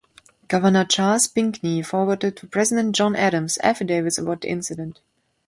Governor Charles Pinckney forwarded to President John Adams affidavits about the incident.